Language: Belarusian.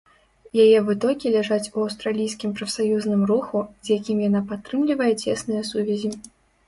Яе вытокі ляжаць у аўстралійскім прафсаюзным руху, з якім яна падтрымлівае цесныя сувязі.